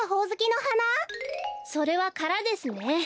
それはからですね。